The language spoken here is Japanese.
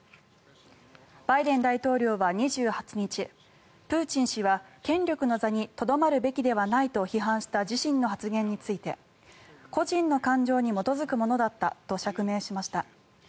バイデン大統領は２８日プーチン氏は権力の座にとどまるべきではないと批判した自身の発言について個人の感情に基づくものだったと釈明しました。